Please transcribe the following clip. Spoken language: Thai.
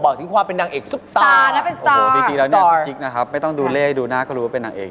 สตาร์วันนั้นเป็นสตาร์สตาร์ค่ะโอ้โหนิจจิ๊กนะครับไม่ต้องดูเล่นดูหน้าถูกยอมรู้ว่าเป็นดังเอก